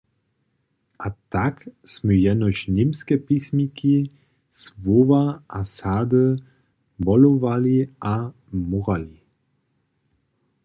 A tak smy jenož němske pismiki, słowa a sady molowali a mórali.